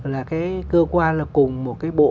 là cái cơ quan là cùng một cái bộ